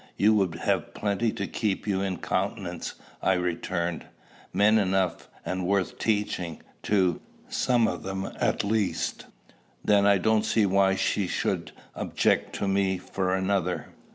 you would have plenty to keep you in countenance!" I returned, "men enough and worth teaching, too some of them at least!" "Then, I don't see why she should object to me for another."